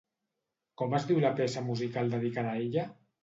Com es diu la peça musical dedicada a ella?